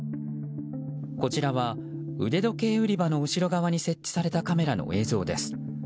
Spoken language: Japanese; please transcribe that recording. こちらは腕時計売り場の後ろ側に設置されたカメラの映像です。